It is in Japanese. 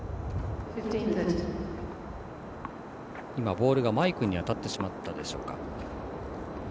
ボールがマイクに当たってしまったでしょうか。